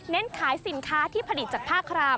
ขายสินค้าที่ผลิตจากผ้าคราม